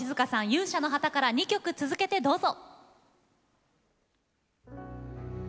「勇者の旗」から２曲続けてどうぞ。